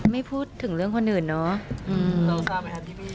ไม่พูดถึงเรื่องคนอื่นเนาะ